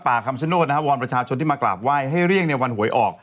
ป่าคำชะโน้นนะครับวรประชาชนที่มากราบไหว้ให้เรียงวันหวยออก